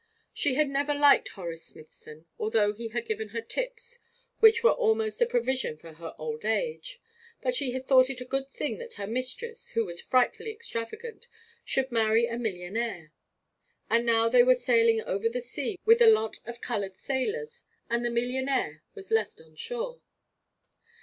She had never liked Horace Smithson, although he had given her tips which were almost a provision for her old age; but she had thought it a good thing that her mistress, who was frightfully extravagant, should marry a millionaire; and now they were sailing over the sea with a lot of coloured sailors, and the millionaire was left on shore.